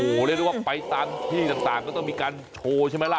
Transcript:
โอ้โหเรียกได้ว่าไปตามที่ต่างก็ต้องมีการโชว์ใช่ไหมล่ะ